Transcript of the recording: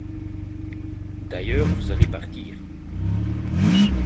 D’ailleurs vous allez partir.